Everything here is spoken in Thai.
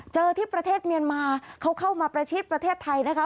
ที่ประเทศเมียนมาเขาเข้ามาประชิดประเทศไทยนะคะ